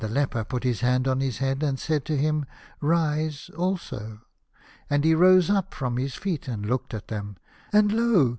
leper put his hand on his head, and said to him " Rise," also. And he rose up from his feet, and looked at them, and lo !